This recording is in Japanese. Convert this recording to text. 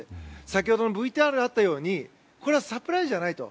先ほどのＶＴＲにあったようにこれはサプライズじゃないと。